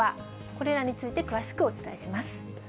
これらについて詳しくお伝えします。